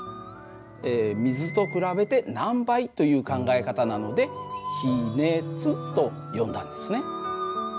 水と比べて何倍という考え方なので比熱と呼んだんですね。